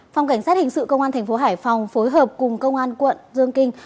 phòng cảnh sát hình sự công an tp hải phòng phối hợp cùng công an quận dương kinh